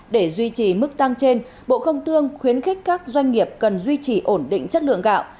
để duy trì mức tăng trên bộ không tương khuyến khích các doanh nghiệp cần duy trì ổn định chất lượng gạo